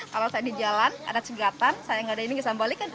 kalau saya di jalan ada cegatan saya nggak ada ini bisa balik kan